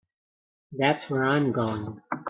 That's where I'm going.